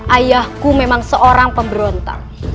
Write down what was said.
ayahku memang seorang pemberontak